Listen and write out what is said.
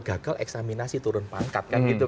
gagal eksaminasi turun pangkat